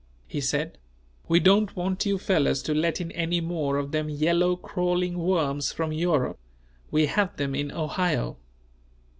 He said: "We don't want you fellers to let in any more of them yellow crawling worms from Europe; we have them in Ohio.